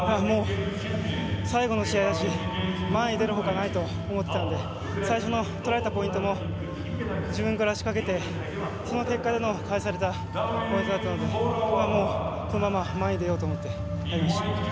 最後の試合だし前に出るほかないと思っていたので最初にとられたポイントも自分から仕掛けてその結果返されたポイントだったのでもうこのまま前に出ようと思っていきました。